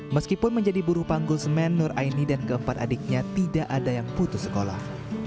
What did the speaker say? meskipun menjadi buru panggul semen nur aini dan keempat adiknya tidak ada yang putus sekolah